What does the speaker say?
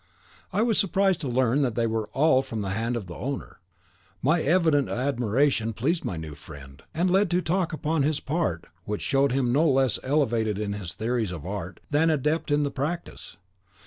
I was surprised to learn that they were all from the hand of the owner. My evident admiration pleased my new friend, and led to talk upon his part, which showed him no less elevated in his theories of art than an adept in the practice.